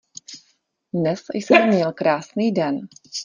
Dnes jsem měl krásný den.